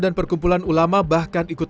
dan perkumpulan ulama bahkan ikut